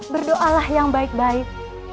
berdoalah yang baik baik